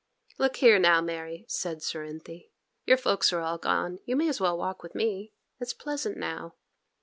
'Look here now, Mary,' said Cerinthy; 'your folks are all gone, you may as well walk with me. It's pleasant now.